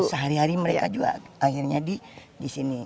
sehari hari mereka juga akhirnya di sini